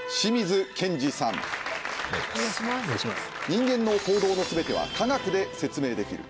人間の行動の全ては科学で説明できる。